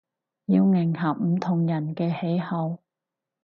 要迎合唔同人嘅喜好